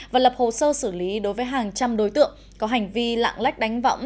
và lập hồ sơ xử lý đối với hàng trăm đối tượng có hành vi lạng lách đánh võng